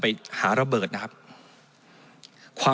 มันตรวจหาได้ระยะไกลตั้ง๗๐๐เมตรครับ